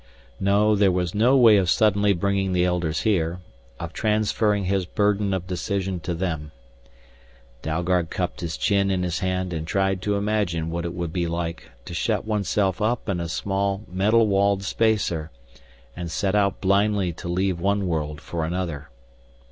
No, there was no way of suddenly bringing the Elders here, of transferring his burden of decision to them. Dalgard cupped his chin in his hand and tried to imagine what it would be like to shut oneself up in a small metal walled spacer and set out blindly to leave one world for another.